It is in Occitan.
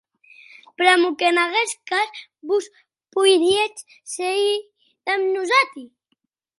Pr'amor qu'en aguest cas vos poiríetz sèir damb nosati.